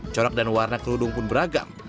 corak dan warna kerudung pun beragam